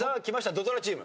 土ドラチーム。